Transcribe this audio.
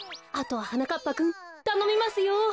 あとははなかっぱくんたのみますよ！